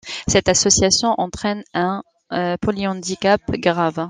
Cette association entraîne un polyhandicap grave.